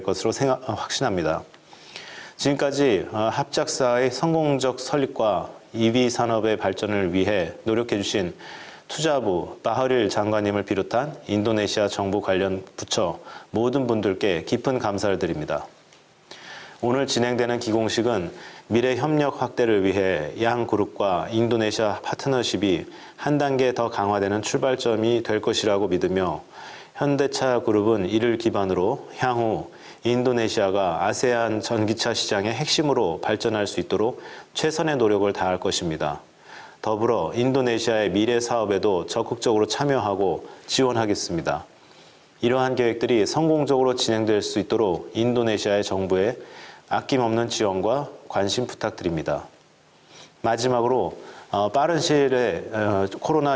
bersama saya ratun nabila langsung saja kita saksikan groundbreaking seremoni pabrik baterai kendaraan listrik